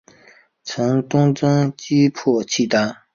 曾东征击破契丹。